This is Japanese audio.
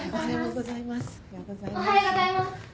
おはようございます。